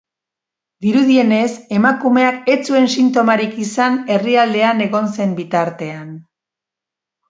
Dirudienez, emakumeak ez zuen sintomarik izan herrialdean egon zen bitartean.